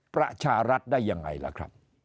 ประชารัฐได้ยังไงล่ะครับ